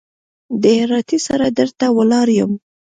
د هراتۍ سره در ته ولاړ يم.